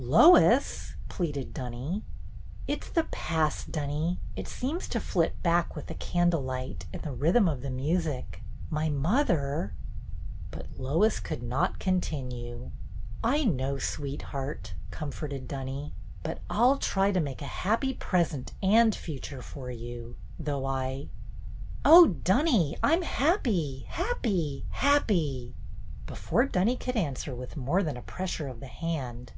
''Lois!" pleaded Dunny. " It 's the past, Dunny. It seems to flit back with the candle light and the rhythm of the music. My mother —" But Lois could not continue. "I know, sweetheart," comforted Dunny. "But I 'll try to make a happy present and future for you, though I —" "Oh, Dunny, I'm happy, happy, happy!" Before Dunny could answer with more than a pressure of the hand.